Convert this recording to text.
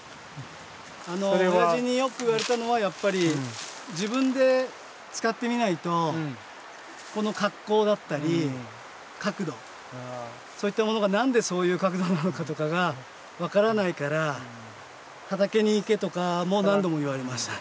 おやじによく言われたのはやっぱり自分で使ってみないとこの格好だったり角度そういったものが何でそういう角度なのかとかが分からないから畑に行けとかも何度も言われました。